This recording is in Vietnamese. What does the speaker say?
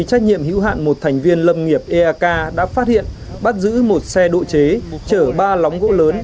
trách nhiệm hữu hạn một thành viên lâm nghiệp eak đã phát hiện bắt giữ một xe độ chế chở ba lóng gỗ lớn